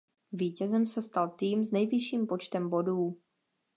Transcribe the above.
Vítězem se stal tým s nejvyšším počtem bodů.